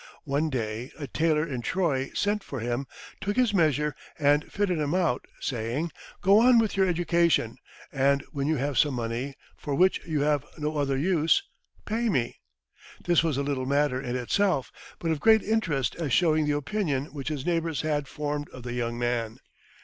One day a tailor in Troy sent for him, took his measure, and fitted him out, saying, "Go on with your education, and when you have some money for which you have no other use, pay me." This was a little matter in itself, but of great interest as showing the opinion which his neighbours had formed of the young man.